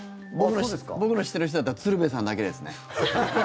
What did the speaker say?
僕の知ってる人だったら鶴瓶さんだけですね。